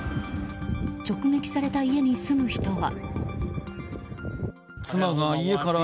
直撃された家に住む人は。